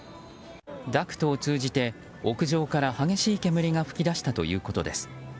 ダクトを通じて屋上から激しい煙が噴き出したということです。